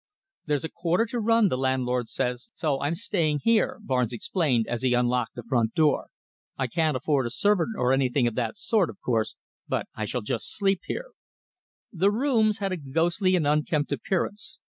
"There's a quarter to run, the landlord says, so I'm staying here," Barnes explained, as he unlocked the front door. "I can't afford a servant or anything of that sort of course, but I shall just sleep here." The rooms had a ghostly and unkempt appearance.